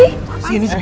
apaan sih ini sebentar